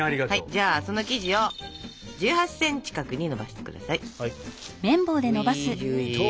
じゃあその生地を１８ｃｍ角にのばして下さい。